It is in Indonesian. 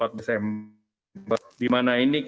kayak ini kesebut hp ini indonesia inman menunggu